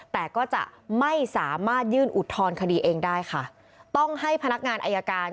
แต่ก็จะไม่สามารถยื่นอุทธรณคดีเองได้ค่ะต้องให้พนักงานอายการ